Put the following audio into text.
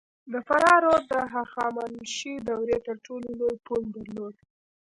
د فراه رود د هخامنشي دورې تر ټولو لوی پل درلود